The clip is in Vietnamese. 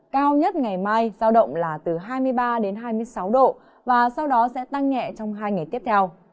cao nhất ngày mai giao động là từ hai mươi ba đến hai mươi sáu độ và sau đó sẽ tăng nhẹ trong hai ngày tiếp theo